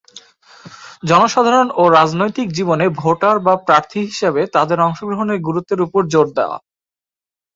জনসাধারণ ও রাজনৈতিক জীবনে ভোটার বা প্রার্থী হিসেবে তাদের অংশগ্রহণের গুরুত্বের উপর জোর দেয়া।